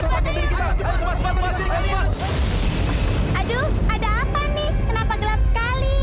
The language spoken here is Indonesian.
aduh ada apa nih kenapa gelap sekali